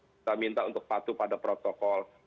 kita minta untuk patuh pada protokol